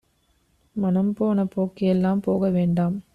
மனம்போன போக்கு எல்லாம் போக வேண்டாம்